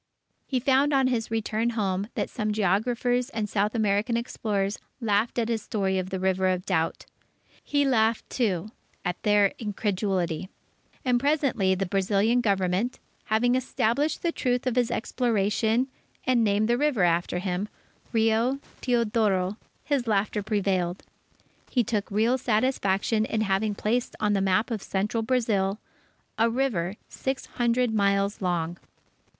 He found on his return home that some geographers and South American explorers laughed at his story of the River of Doubt. He laughed, too, at their incredulity; and presently the Brazilian Government, having established the truth of his exploration and named the river after him, Rio Teodoro, his laughter prevailed. He took real satisfaction in having placed on the map of Central Brazil, a river six hundred miles long.